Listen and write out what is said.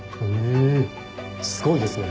えすごいですね。